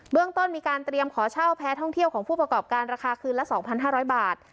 เบื้องต้นมีการเตรียมขอเช่าแพทย์ท่องเที่ยวของผู้ประกอบการราคาคืนละสองพันห้าร้อยบาท